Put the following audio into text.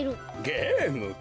ゲームか。